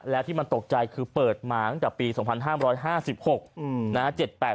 แล้วที่มันตกใจคือเปิดมาตั้งแต่ปี๒๕๕๖นะฮะ